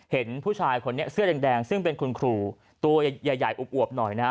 เห็นผู้ชายคนนี้เสื้อแดงซึ่งเป็นคุณครูตัวใหญ่อวบหน่อยนะฮะ